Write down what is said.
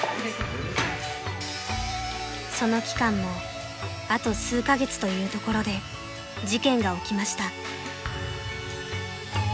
［その期間もあと数カ月というところで事件が起きました］